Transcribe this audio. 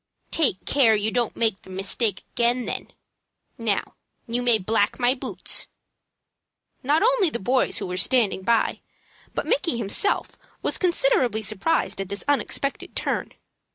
"Take care you don't make the mistake again, then. Now you may black my boots." Not only the boys who were standing by, but Micky himself, were considerably surprised at this unexpected turn.